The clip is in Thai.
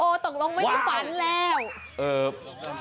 โอ้ตกลงไม่ได้ฝันแล้วว้าว